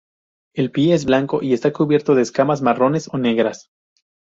El pie es blanco y está cubierto de escamas marrones o negras.